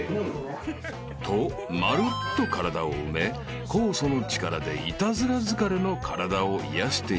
［とまるっと体を埋め酵素の力でイタズラ疲れの体を癒やしていく］